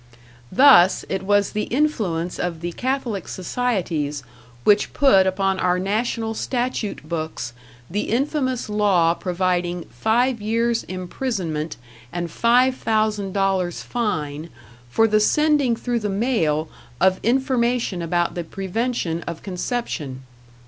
Thus, it was the influence of the Catholic Societies which put upon our national statute books the infamous law providing five years imprisonment and five thousand dollars fine for the sending through the mail of information about the prevention of conception.